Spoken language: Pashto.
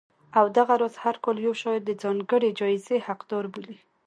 او دغه راز هر کال یو شاعر د ځانګړې جایزې حقدار بولي